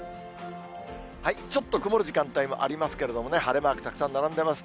ちょっと曇る時間帯もありますけれどもね、晴れマークたくさん並んでます。